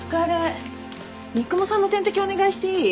三雲さんの点滴お願いしていい？